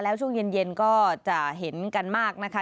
แล้วช่วงเย็นก็จะเห็นกันมากนะคะ